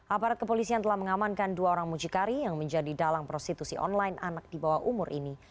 aparat kepolisian telah mengamankan dua orang mucikari yang menjadi dalang prostitusi online anak di bawah umur ini